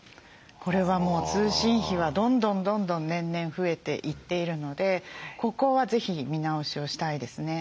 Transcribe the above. これはもう通信費はどんどんどんどん年々増えていっているのでここは是非見直しをしたいですね。